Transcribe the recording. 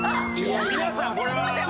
皆さんこれは。